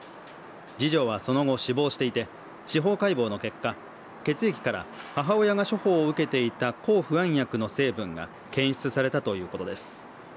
次女はその後、死亡していて司法解剖の結果、血液から母親が処方を受けていた抗不安薬の成分が検出されたということです。